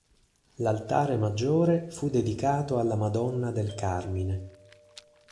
L'altare maggiore fu dedicato alla Madonna del Carmine.